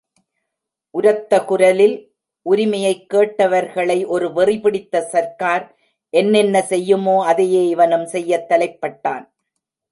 உரத்தக் குரலில் உரிமையைக் கேட்டவர்களை ஒரு வெறி பிடித்த சர்க்கார் என்னென்ன செய்யுமோ அதையே இவனும் செய்யத் தலைப்பட்டான்.